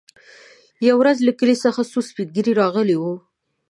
يوه ورځ له کلي څخه څو سپين ږيري راغلي وو.